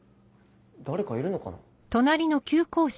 誰かいるのかな？